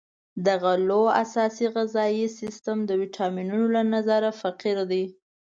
د غلو اساس غذایي سیستم د ویټامینونو له نظره فقیر دی.